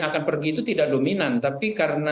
jawa timur itu bisa jadi pemilihnya tidak dominan